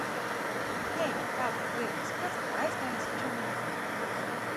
Hei, kā tev liekas, kur tu aizbēgsi, čomiņ?